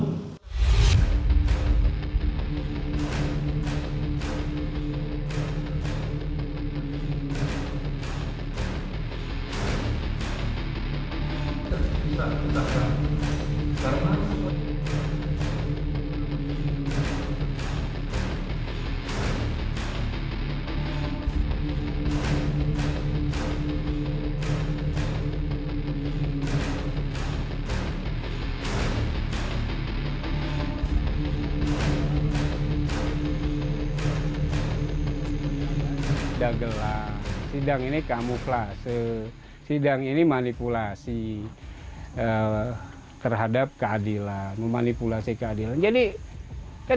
lima menyatakan terakuan oleh karena itu dari segala tuntutan hukum